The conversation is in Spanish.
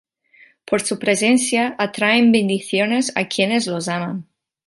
Por su presencia, atraen bendiciones a quienes los aman.